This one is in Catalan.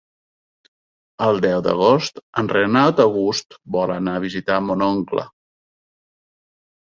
El deu d'agost en Renat August vol anar a visitar mon oncle.